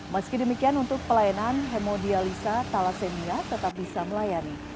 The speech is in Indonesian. meski demikian untuk pelayanan hemodialisa thalassemia tetap bisa melayani